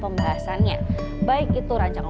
pembahasannya baik itu rancangan